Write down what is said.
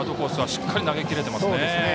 しっかり投げ切れていますね。